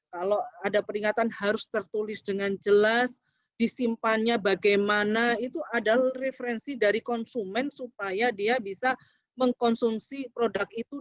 kalau ada peringatan harus tertulis dengan jelas disimpannya bagaimana itu adalah referensi dari konsumen supaya dia bisa mengkonsumsi produk itu